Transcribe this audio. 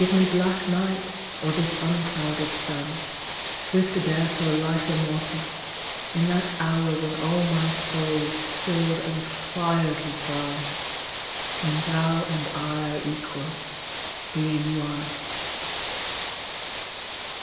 (]ive me black night or this unclouded sun, Swift death or life immortal, in that hour When all my soul is filled and fired with thine, When thou and I are equal, being one.